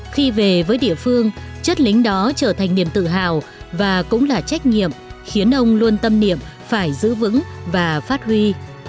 khi về với địa phương chất lính đó trở thành niềm tự hào và cũng là trách nhiệm khiến ông luôn tâm niệm phải giữ vững và phát huy